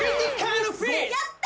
やった！